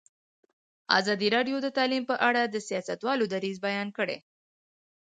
ازادي راډیو د تعلیم په اړه د سیاستوالو دریځ بیان کړی.